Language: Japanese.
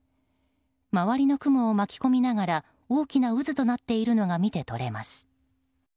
周りの雲を巻き込みながら大きな渦となっているのが見て取れます。